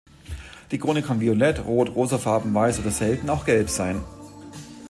Die Krone kann violett, rot, rosafarben, weiß oder selten auch gelb sein.